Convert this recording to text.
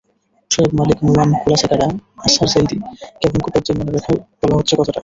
Shoaib Malik, Nuwan Kulasekara, Azhar Zaidi, Kevon কুপারদের মনে রেখেই বলা হচ্ছে কথাটা।